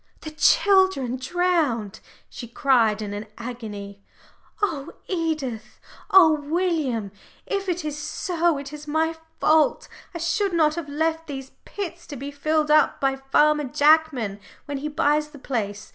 "The children drowned!" she cried in an agony. "Oh, Edith! oh, William! if it is so, it is my fault. I should not have left these pits to be filled up by Farmer Jackman when he buys the place.